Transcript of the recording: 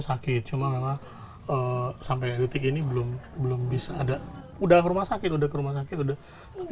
sakit cuma memang sampai detik ini belum belum bisa ada udah ke rumah sakit udah ke rumah sakit udah tapi